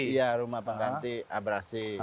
iya rumah pengganti abrasi